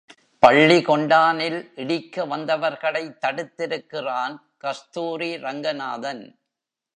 பள்ளி கொண்டானில் இடிக்க வந்தவர்களைத் தடுத்திருக்கிறான் கஸ்தூரி ரங்கநாதன்.